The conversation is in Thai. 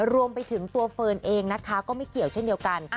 รวมไปถึงตัวเฟิร์นเองนะคะก็ไม่เกี่ยวเช่นเดียวกัน